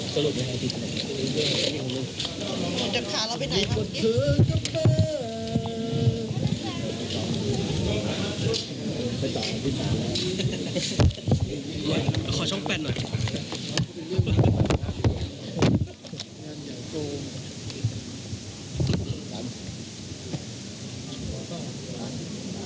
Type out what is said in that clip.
กำไมพี่งงพี่หนุ่ยทำหน้างงอ่ะ